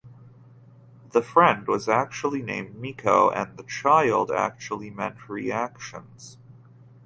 The friend was actually named Mikko and the child actually meant "reactions".